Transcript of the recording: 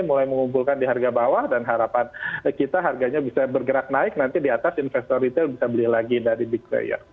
mulai mengumpulkan di harga bawah dan harapan kita harganya bisa bergerak naik nanti di atas investor retail bisa beli lagi dari big player